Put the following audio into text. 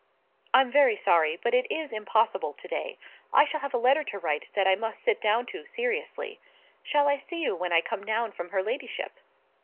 "I'm very sorry, but it is impossible to day. I shall have a letter to write that I must sit down to seriously. Shall I see you when I come down from her ladyship?"